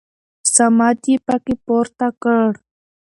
صمد يې په کې پورته کړ.